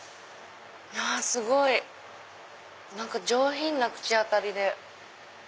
すごい何か上品な口当たりで。